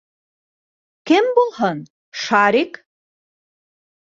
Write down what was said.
Кем булһын, Шарик!